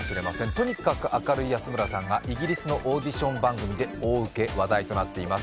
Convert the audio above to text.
とにかく明るい安村さんがイギリスのオーディション番組で大ウケ、話題となっています。